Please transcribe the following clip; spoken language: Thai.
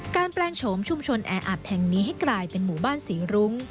แปลงโฉมชุมชนแออัดแห่งนี้ให้กลายเป็นหมู่บ้านศรีรุ้ง